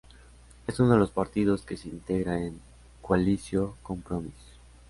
Es uno de los partidos que se integra en Coalició Compromís.